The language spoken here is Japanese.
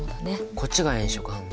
こっちが炎色反応？